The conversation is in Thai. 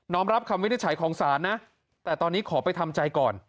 รับคำวินิจฉัยของศาลนะแต่ตอนนี้ขอไปทำใจก่อน